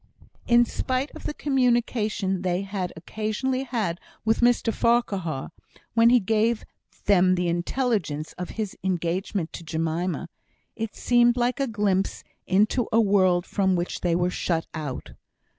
In spite of the communication they occasionally had with Mr Farquhar, when he gave them the intelligence of his engagement to Jemima, it seemed like a glimpse into a world from which they were shut out.